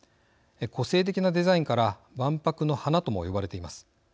個性的なデザインから万博の華とも呼ばれています。